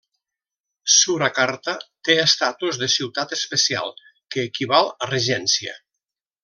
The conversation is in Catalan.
Surakarta té estatus de ciutat especial, que equival a regència.